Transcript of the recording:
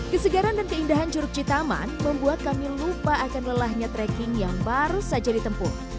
kesegaran dan keindahan jeruk citaman membuat kami lupa akan lelahnya trekking yang baru saja ditempuh